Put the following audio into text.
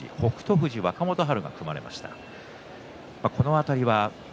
富士は若元春が組まれました。